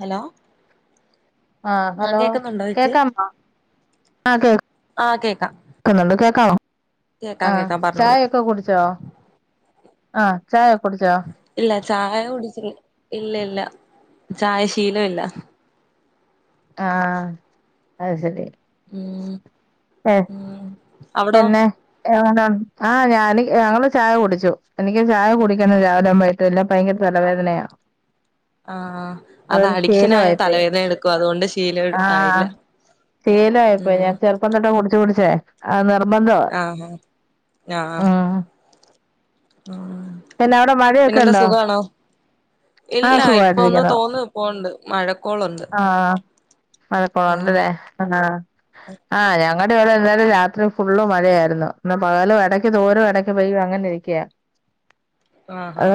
Hello ആഹ് ആ hello കേക്കുന്നുണ്ടോ ചേച്ചി കേക്കാമോ ആഹ് കേ ആഹ് കേക്കാം ക്കുന്നുണ്ട് കേക്കാമോ കേക്കാം ആഹ് കേക്കാം പറഞ്ഞോളൂ ചായൊക്കെ കുടിച്ചോ ആഹ് ചായൊക്കെ കുടിച്ചോ ഇല്ല ചായ കുടിച്ച്. ഇല്ല ഇല്ലാ, ചായ ശീലോ ഇല്ല. ആഹ്, അയ് ശെരി. ഉം ഉം. അവിടോ പിന്നെ. എങ്ങനെ ആഹ് ഞാന് ഞങ്ങള് ചായ കുടിച്ചു. എനിക്ക് ചായ കുടിക്കെണം രാവിലാവുമ്പെയ്. ഇതെല്ലാം ഭയങ്കര തലവേദനയാ. ആഹ് അത് അതൊരു അഡിക്ഷനായ ശീലമായിപ്പോയി തലവേദന എട്ക്കും. അതേണ്ട് ശീലെ ആയില്ലെ ശീലായിപ്പോയ് ഞാൻ ചെറുപ്പം തെട്ട് കുടിച്ച്, കുടിച്ചെ ആ നിർബന്ധാം ആഹ് ഉം. ആഹ് അതെ പിന്നെ അവിടെ മഴയൊക്കെ പിന്നെന്താ ഉണ്ടോ സുഖാണോ. ഇല്ല, ആഹ് ഇപ്പൊ ഒന്ന് സുഖമായിട്ടിരിക്കുന്നു തോന്ന് പേണ്ട്, മഴക്കോളുണ്ട്. ആഹ് മഴക്കേള്ണ്ട്ല്ലേ, ആ ആഹ് ഞാങ്ങട്ട് [unintelligible] രാത്രി. ഇന്ന് ഫുള്ളു മഴയായിരുന്നു. ഇന്ന് പകാല് എടെക്ക് തോരും, എടെക്ക് പെയ്യും അങ്ങനെരിക്കൃ. ആഹ് ഹാ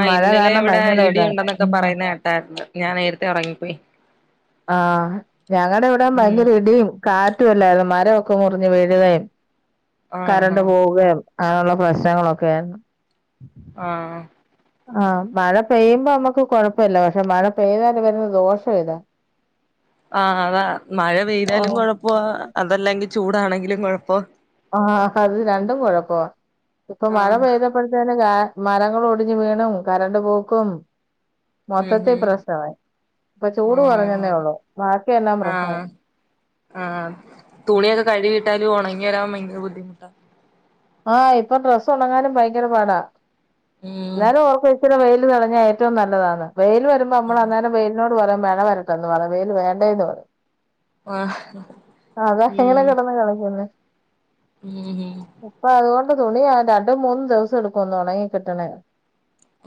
ആ ഇന്നലെ വടെ ഭയങ്കര ഇതാ ഇടിയുണ്ടെന്നൊക്കെ. ഉം പറയുന്നെ കെട്ടായിരുന്നു. ഞാൻ നേരത്തെ, ഉറങ്ങിപ്പോയി. ആഹ് ഞങ്ങടെ ഇവ്ടെ ഉം ഭയങ്കര ഇടിയും. കാറ്റു എല്ലായിരുന്നു മരമൊക്കെ മുറിഞ്ഞ് വീഴുകയും ആഹാ കരണ്ട് പോവുകയും. അങ്ങനുള്ള പ്രശ്നങ്ങളൊക്കെ. ആഹ്. ആ മഴ പെയ്യുമ്പോ നമ്മക്ക് കെഴപ്പല്ല, പക്ഷെ മഴ പെയ്താല് വരുന്ന ദോഷം ഇതാ. [inaudible] ആഹ് അതാ മഴ പെയ്താലും ഓഹ് കൊഴപ്പാ, അതല്ലെങ്കിൽ ചൂടാണെങ്കിലും കൊഴപ്പാ. ആഹ്, അത് രണ്ടും കെഴപ്പാ, ഇപ്പൊ മഴ ആഹ് പെയ്ത ഇപ്പെഴ്ത്തെലൂം ഞാൻ മരങ്ങൾ ഒടിഞ്ഞ് വീണും, കറണ്ട് പോക്കും. ഉം മൊത്തെത്തീ ഉം പ്രശ്നമായ്, ഇപ്പൊ ചൂട് ഓഹ് കെറഞ്ഞെന്നെള്ളൂ, ബാക്കിയെല്ലാം ആഹ് പ്രശ്നായ്. ആഹ് തുണിയൊക്കെ കഴുകിട്ടാല്. ഒണങ്ങി വെരാൻ ഭയങ്കര, ബുദ്ധിമുട്ടാ. ആഹ്, ഇപ്പൊ ഡ്രസ്സ് ഒണങ്ങാനും ഭയങ്കര പാടാ, ഉം എന്നാലും ഓർക്കേച്ചിരി വെയില് തടഞ്ഞായി. ഏറ്റവും നല്ലതാണ്. വെയിൽ വരുമ്പോ നമ്മള് ആഹ് അന്നേരം വെയിലിനോട് പറയും മഴ വരട്ടെന്ന് പറയും. വെയില് വേണ്ടേന്ന് പറയും ആഹ്. അതാ [unintelligible] കിടെന്ന് കളിക്കുന്നു. ഏഹ് ഉപ്പാ അതേണ്ട് തുണിയാലും രണ്ടും മൂന്നും ദുവസം എട്ക്കും ഒന്നെണങ്ങി കിട്ടണേ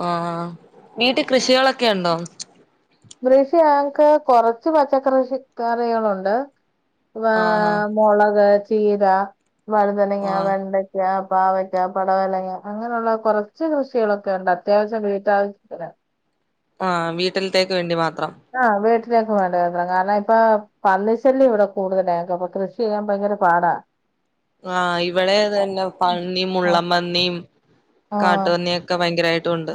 ആഹ് വീട്ടീൽ കൃഷികളൊക്കെ ഉണ്ടോ കൃഷി ഞങ്ങ്ക്ക് കൊറച്ച് പച്ചക്കറി റിഷിക്കറികളുണ്ട്. ആഹാ വാഹ്. മെളക്, ചീര, വഴുതനങ്ങാ, ആഹ് വെണ്ട യാ, പാവയ്ക്കാ, പടവലങ്ങാ അങ്ങനുള്ള കൊറച്ച് കൃഷികളൊക്കെ ണ്ട്. അത്യാവശ്യം വീട്ടാവശ്യത്തിന്. ആഹ്, വീട്ടിൽത്തേക്ക് വേണ്ടി മാത്രം. ആഹ് വീട്ടിലേക്ക് വേണ്ടി മിത്രം. കാരണം ഇപ്പേ പന്നിശല്യം ഇവിടെ കൂടുതലായിക്കാ, അപ്പ കൃഷി ചെയ്യാൻ ഭയങ്കര പാടാ [inaudible] ആഹ്, ഇവിടെ അത് തെന്നെ. പന്നി, ആഹ് മുള്ളംപന്നി, ആഹ് കാട്ടുപന്നിയൊ ക്ക ഭയങ്കരായിട്ടുണ്ട്.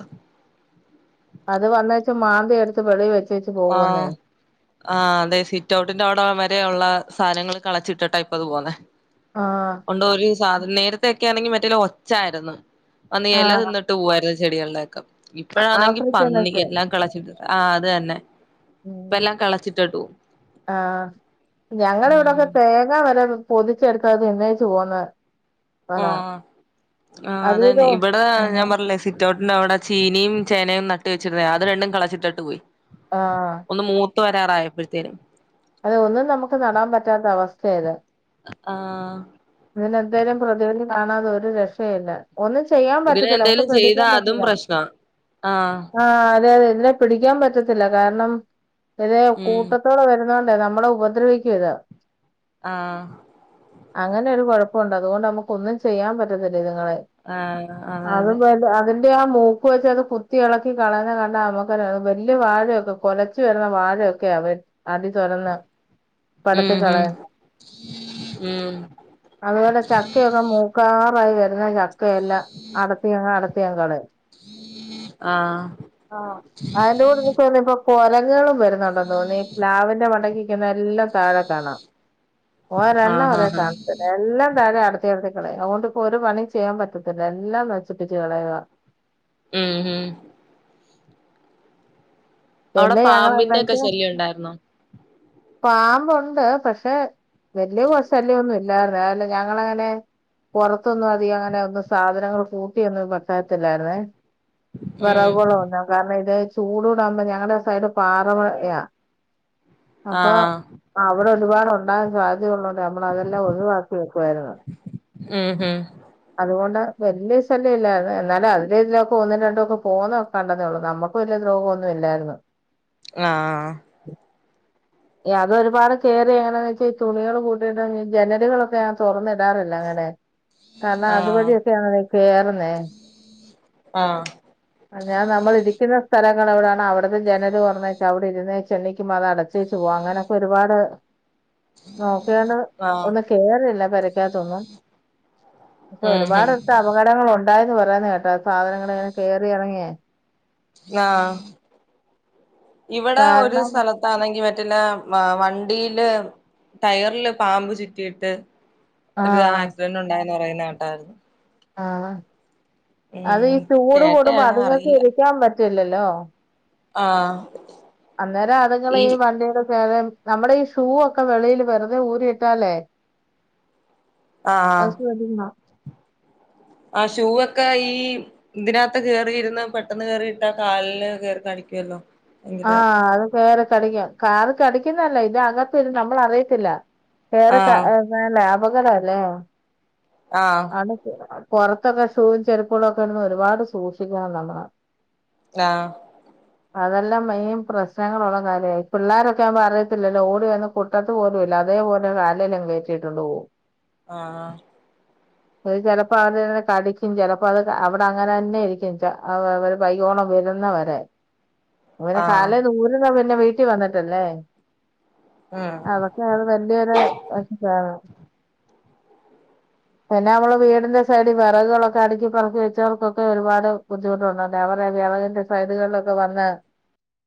അത് വന്നെച്ച് മാന്ത്യടുത്ത് വെളീവെച്ച് ആഹ്. ആഹ്, അതെ സിറ്റൗട്ടിന്റെ അവ്ടാ വരെയുള്ളാ സാനങ്ങൾ കെളച്ചിട്ടിട്ടാ ഇപ്പത് പോന്നെ ആഹ് ഉണ്ടേലീ സാധനം നേരത്തെ ക്കാണെങ്കിൽ മറ്റെല്ലാ ഒച്ചായിരുന്നു. വന്ന് എല ആഹ് തിന്നി ഇട്ട് പോവമായിരുന്ന ചെടികളിലെക്കെ ഇപ്പഴാണെങ്കി, ആഫ്രിക്കൻ പന്നി നട്ട് എല്ലാം കളച്ചിട്ട്. ആഹ്, അത് തന്നെ. ഇപ്പ ഉം എല്ലാം കളച്ചിട്ടിട്ട് പോവും ആഹ് ഞങ്ങളിവടക്കെ. ഉം തേങ്ങ വരെ പൊതിച്ചെടുത്ത്. തിന്നേച്ച് പേകുന്നെത്. ആഹ്, ആ അത് അതെന്നെ ഇതോ ഇവിടെ ഞാൻ ആഹ് പറഞ്ഞില്ലേ സിറ്റൗട്ടിൻ്റെ അവ്ടെ. ചീനിയിം, ചേനയും, നട്ട് വെച്ചിരുന്നേയാ, അത് രണ്ടും കളച്ചിട്ടിട്ട് പോയി. ആഹ ഒന്ന് മൂത്ത വരാറായപ്പോഴത്തേനും അതെ ഒന്നും നമുക്ക് നടാൻ പറ്റാത്ത അവസ്ഥയഇത് ആഹ ഇതിനെന്തായാലും പ്രതിവിതി കാണാതെ ഒരു രക്ഷയല്ല ഒന്നും ചെയ്യാൻ ഇതിന് പറ്റത്തില്ല നമുക്ക് എന്തേലും ചെയ്താ പ്രഠിക്കാൻ അതും പറ്റില്ല പ്രശ്നാ ആഹ് ആ അതെതെ ഇ പിടിക്കാൻ പറ്റത്തില്ല കാരണം ഇതേ ഉം കൂട്ടത്തോടെ വരുന്നോണ്ടേ നമ്മളെ ഉപദ്രവിക്കും ഇതാ ആഹ അങ്ങനെ ഒരു കുഴപ്പുണ്ട് അതുകൊണ്ട് നമുക്ക് ഒന്നും ചെയ്യാൻ പറ്റത്തില്ല ഇതുങ്ങളെ ആഹ് അതെ അതെ അത് അ ആ മൂക്ക് വെച്ച് അത് കുത്തി ഇളക്കി കളഞ്ഞ കണ്ട അമക്കര വലിയ വാഴയൊക്കെ കൊലച്ച കുച്ച വരുന്ന വാഴയൊക്കെയ അവ അടി തുരന്ന് പടത്തി ഉം ഉം കളയും ഉം അതുപോലെ ചക്കയൊക്കെ മൂക്കാറായി വരുന്ന ചക്കയെല്ലാം അടത്തിയങ്ങ് അടത്തിയങ്ങ് കളയും ആഹ ആഹ അതിന്റെ കൂടെ എ ഇപ്പൊ [unintelligible] വരുന്നുണ്ടെന്ന് തോന്നി പ്ലാവിന്റെ മണ്ടക്ക് നല്ലാം താഴെ കാണാം ഓരെണ്ണം ആഹ് ഒതേ ആഹ് ആഹ് കാണ എല്ലാം താരം അടുത്തി അടുത്തി കളയും അതൊണ്ടിപ്പോ ഒരു പണിയും ചെയ്യാൻ പറ്റത്തില്ല എല്ലാം നശിപ്പിച്ച് കളയുക ഉം ഉം അവിടെ പിന്നെ ഞങ്ങളെന്താ പാമ്പിന്റെ ഒക്കെ ശല്യം ഉണ്ടായിരുന്നോ പാമ്പൊണ്ട് പക്ഷെ വലിയ കൊ ശല്യം ഒന്നുംല്ലാര്ന്ന് അല്ല ഞങ്ങളങ്ങനെ പുറത്തൊന്നും അധികം അങ്ങനെ ഒന്നും സാധനങ്ങൾ കൂട്ടിയൊന്നും പട്ടത്തില്ലായിരുന്നേ [unintelligible] ഉം തന്ന കാരണം ഇത് ചൂടൂടാകുമ്പോ ഞങ്ങളടെ സൈഡ് പാറമടയാ അപ്പൊ ആഹ് അവിടെ ഒരുപാട് ഉണ്ടാൻ സാധ്യതള്ളണ്ട് നമ്മള അതെല്ലാം ഒഴിവാക്കി വെക്കുവായിരുന്നു ഉം ഉം അതുകൊണ്ട് വലിയ ശല്യം ഇല്ലായിരുന്നു എന്നാലും അതിലെ ഇതിലൊക്കെ ഒന്നും രണ്ടും ഒക്കെ പോകുന്ന കണ്ടന്നെ ഉള്ളൂ നമുക്ക് വലിയ ദ്രോഗമൊന്നും ഇല്ലായിരുന്നു ആ അതൊ ഒരുപാട് കേയറി എങ്ങനാന്ന് വെച്ചാ ഈ തുണികൾ കൂട്ടിയിട്ട് ജനലുകളൊക്കെഞ തുറന്നിടാറില്ല അങ്ങനെ കാരണം അതുവഴിയൊക്കെയ ആണ് കേറുന്നേ ആഹ ഞാൻ നമ്മള ഇരിക്കുന്ന സ്ഥലങ്ങൾ എവിടൊണ് അവിടുന്ന് ജനല് തൊറന്നു വെച്ചാ അവിടെ ഇരുന്ന ചെന്നണീക്ക് മത അടച്ചു പ്രേച്ച പോവാ അങ്ങനെയൊക്കെ ഒരുപാട് നോക്കിയണ്ട് ആഹ് ഒന്നും കേറിയില്ല പെരക്കകത്തൊന്നും പക്ഷെ ഉം ഒരുപാട് ഉം അപകടങ്ങൾ ഉണ്ടായന്ന് പറയാന്ന് കേട്ടാ സാധനങ്ങൾ എങ്ങനെ കേറിയിറങ്ങിയേ ആഹ ഇവിടെ ഒരു കാരണം സ്ഥലത്ത് ണെങ്കി പറ്റില്ല വണ്ടിയില് ടയറില് പാമ്പ് ചുറ്റിയിട്ട് ആ ഒരുതാ ആക്സിഡന്റ് ഉണ്ടായന്ന് പറയുന്ന കേട്ടായിരുന്നു ആഹ അത് ഉം ഈ ചൂട് കൂടുമ്പോ കേട്ടയാണോ അതുങ്ങൾക്ക് അറിയില്ല ഇരിക്കാൻ പറ്റില്ലല്ലോ ആ അന്നേരം അതുങ്ങള് ഈ വണ്ടിയുടെ ചരം നമ്മുടെ ഈ ഷൂ ഒക്കെ വെളിയിൽ വെറുതെ ഊരി ഇട്ടാലേ ആഹ് പിന്ന ആ ഷൂ ഒക്കെ ഈ ഇതിനകത്ത് കയറി ഇരുന്ന് പെട്ടെന്ന് കേയറിയിട്ടാ കാലില് കയറി കാടിക്കുവല്ലോ ആഹ അത് കേറി കടിക്കും കാറ് കടിക്കുന്നല്ല ഇത്കത്ത നമ്മള അറിയത്തില്ല വേറെ ആഹ് ലാഭകരല്ലേ ആഹ ആണ് പുറത്തൊക്കെ ഷൂയും ചെരുപ്പുകളും ഒക്കെ ഇന്ന് ഒരുപാട് സൂക്ഷിക്കണം നമ്മള് ആഹ അതെല്ലാം മഴേം പ്രശ്നങ്ങളുള്ള കാര്യാ പിള്ളേരൊക്കെ ആവുമ്പോ അറിയത്തില്ലല്ലോ ഓടിവന്ന് കൂട്ടത്ത് പോലും ഇല്ല അതേപോലെ കാലല്ലാം കയറ്റിയിട്ടുട്ടോണ്ട് പോകും ആഹ് ആഹ് [inaudible] അത് ചലപ്പോ അവിടെ കടിക്കും ചിലപ്പോ അത് അവിടെ അങ്ങനന്നേ ഇരിക്കും ചെ വൈകോളം വരുന്നവരെ അവനെ ആഹ് കാല ആഹ് തൂരന്നവരുന്നേ പിന്നെ വീട്ടിൽ വന്നിട്ടല്ലേ ഉം അത് വല്യൊരു [unintelligible] പിന്നെ നമ്മള് വീടിന്റെ സൈഡിൽ വിറകുകുകളൊക്കെ അടുക്കി പറക്കി വെച്ചവർക്കൊക്കെ ഒരുപാട് ബുദ്ധിമുട്ടുണ്ടോ ഞാൻ പറയാ വിറകിന്റെ സൈഡുകളിലൊക്കെ വന്നാ